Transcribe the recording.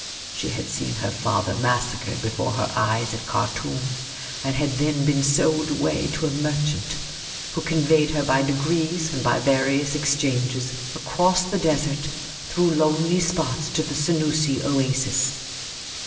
She had seen her father massacred before her eyes at Khartoum, and had then been sold away to a merchant, who conveyed her by degrees and by various ex changes across the desert through lonely spots to the Senoosi oasis.